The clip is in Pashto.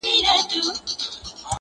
سمدلاسه خلګ راسي د ده لور ته,